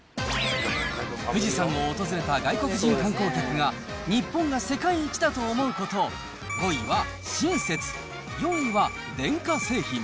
富士山を訪れた外国人観光客が、日本が世界一だと思うこと、５位は親切、４位は電化製品。